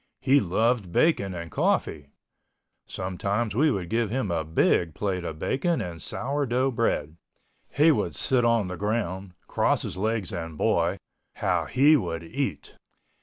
He loved bacon and coffee. Sometimes we would give him a big plate of bacon and sour dough bread. He would sit on the ground, cross his legs and boy, how he would eat!